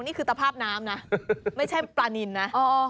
นี่คือตภาพน้ำนะไม่ใช่ปลานินนะ